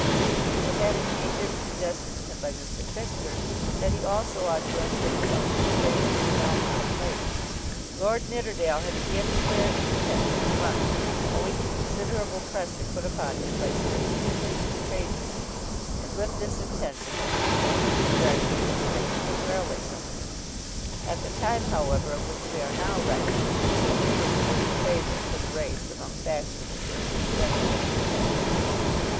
It had indeed been suggested to him by Mr. Fisker that he also ought to enter himself for the great Marie Melmotte plate. Lord Nidderdale had again declared his intention of running, owing to considerable pressure put upon him by certain interested tradesmen, and with this intention had become one of the directors of the Mexican Railway Company. At the time, however, of which we are now writing, Sir Felix was the favourite for the race among fashionable circles generally.